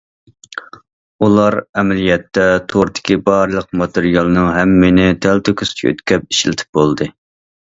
ئۇلار ئەمەلىيەتتە توردىكى بارلىق ماتېرىيالنىڭ ھەممىنى تەلتۆكۈس يۆتكەپ ئىشلىتىپ بولدى.